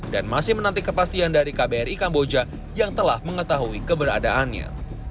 dan masih menanti kepastian dari kbri kamboja yang telah mengetahui keberadaannya